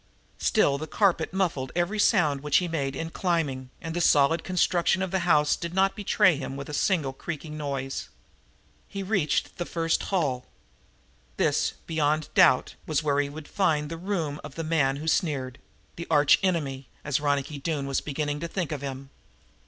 Still the carpet muffled every sound which he made in climbing, and the solid construction of the house did not betray him with a single creaking noise. He reached the first hall. This, beyond doubt, was where he would find the room of the man who sneered the archenemy, as Ronicky Doone was beginning to think of him.